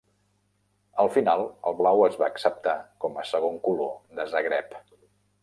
Al final el blau es va acceptar com a segon color de Zagreb.